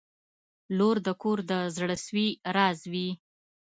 • لور د کور د زړسوي راز وي.